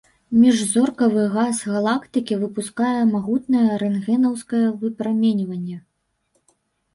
Міжзоркавы газ галактыкі выпускае магутнае рэнтгенаўскае выпраменьванне.